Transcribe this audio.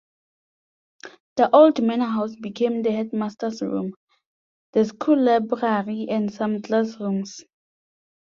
The old Manor House became the headmaster's room, the school library and some classrooms.